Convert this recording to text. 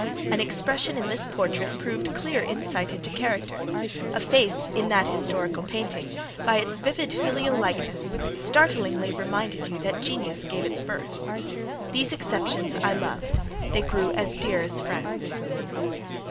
An expression in this portrait proved clear insight into character; a face in that historical painting, by its vivid filial likeness, startlingly reminded you that genius gave it birth. These exceptions I loved: they grew dear as friends.